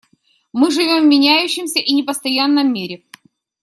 Мы живем в меняющемся и непостоянном мире.